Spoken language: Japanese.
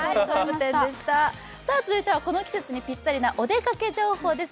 続いてはこの季節にぴったりな、おでかけ情報です。